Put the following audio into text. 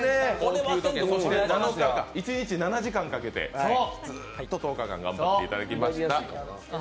一日７時間かけて、ずーっと１０日間頑張っていただきました。